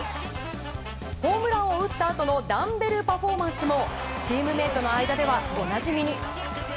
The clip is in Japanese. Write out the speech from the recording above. ホームランを打ったあとのダンベルパフォーマンスもチームメートの間ではおなじみに。